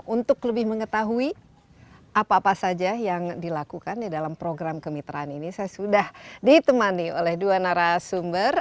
untuk lebih mengetahui apa apa saja yang dilakukan dalam program kemitraan ini saya sudah ditemani oleh dua narasumber